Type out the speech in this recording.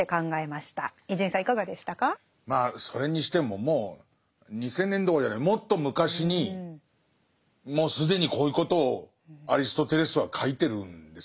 まあそれにしてももう２，０００年どころじゃないもっと昔にもう既にこういうことをアリストテレスは書いてるんですね。